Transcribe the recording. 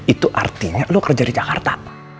itu artinya lo kerja di jakarta